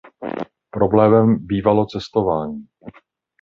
Problémem bývalo cestování.